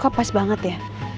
kok pas banget ya